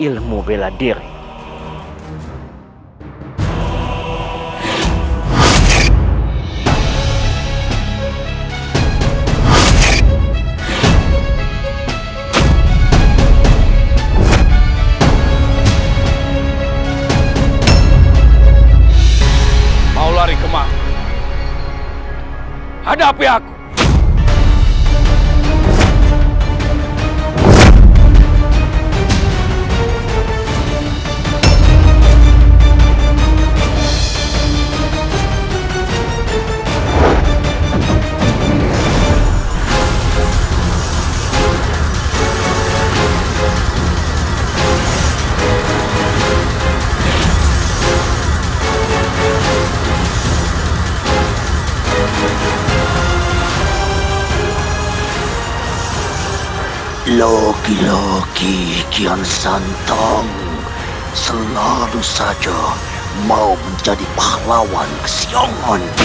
lagi lagi kian santam selalu saja mau menjadi pahlawan siang